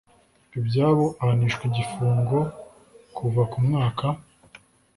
ibyabo ahanishwa igifungo kuva ku mwaka